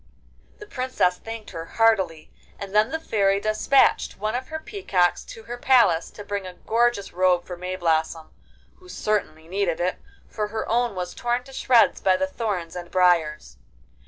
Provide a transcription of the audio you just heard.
The Princess thanked her heartily, and then the Fairy despatched one of her peacocks to her palace to bring a gorgeous robe for Mayblossom, who certainly needed it, for her own was torn to shreds by the thorns and briars.